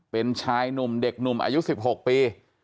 เป็นชายหนุ่มเด็กหนุ่มอายุ๑๖ปี